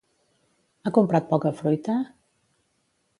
Ha comprat poca fruita?